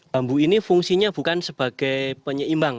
bambu ini fungsinya bukan sebagai penyeimbang